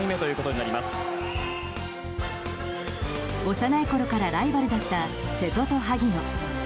幼いころからライバルだった瀬戸と萩野。